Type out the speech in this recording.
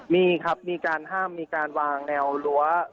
มีครับมีการห้ามมีการวางแนวรั้ว